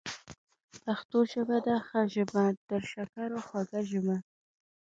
پښتو ژبه ده ښه ژبه، تر شکرو خوږه ژبه